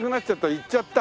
行っちゃった。